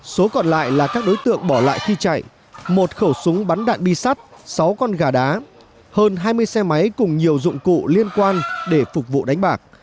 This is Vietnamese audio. số còn lại là các đối tượng bỏ lại khi chạy một khẩu súng bắn đạn bi sắt sáu con gà đá hơn hai mươi xe máy cùng nhiều dụng cụ liên quan để phục vụ đánh bạc